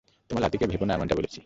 তোমার লাথি খেয়ে ভেবো না এমনটা বলছি!